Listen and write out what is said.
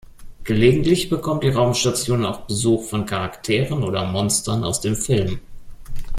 Gelegentlich bekommt die Raumstation auch Besuch von Charakteren oder Monstern aus dem Film.